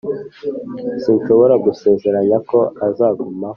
sinshobora gusezeranya ko azagumaho,